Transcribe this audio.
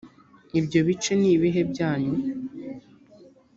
ibyo bice ni ibihe byanyu